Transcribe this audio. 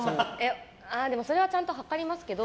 それはちゃんと測りますけど。